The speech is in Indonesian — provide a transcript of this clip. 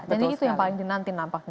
jadi itu yang paling dinanti nampaknya